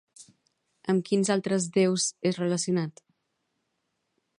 Amb quins altres déus és relacionat?